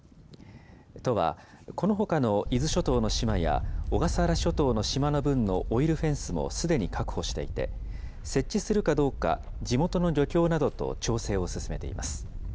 都は、このほかの伊豆諸島の島や小笠原諸島の島の分のオイルフェンスもすでに確保していて、設置するかどうか地元の漁協などと調整を進めています。